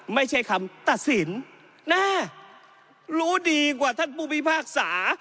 ไม่ใช่คำตัดสินแน่รู้ดีกว่าท่านผู้พิพากษา